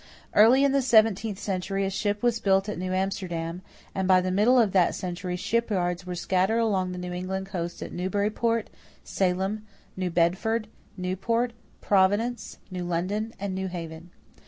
Early in the seventeenth century a ship was built at New Amsterdam, and by the middle of that century shipyards were scattered along the New England coast at Newburyport, Salem, New Bedford, Newport, Providence, New London, and New Haven.